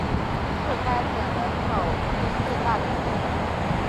是该省人口第四大城市。